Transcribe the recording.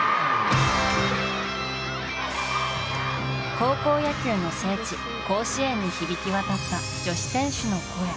高校野球の聖地・甲子園に響き渡った女子選手の声。